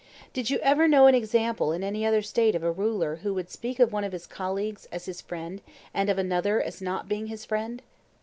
Did you ever know an example in any other State of a ruler who would speak of one of his colleagues as his friend and of another as not being his friend?